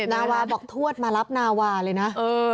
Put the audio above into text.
นาวาบอกทวดมารับนาวาเลยนะ